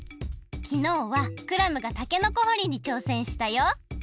きのうはクラムがたけのこ掘りにちょうせんしたよ。